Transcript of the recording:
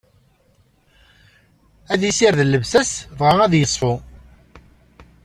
Ad issired llebsa-s, dɣa ad iṣfu.